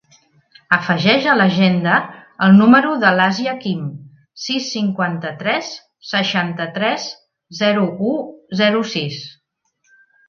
Afegeix a l'agenda el número de l'Asia Kim: sis, cinquanta-tres, seixanta-tres, zero, u, zero, sis.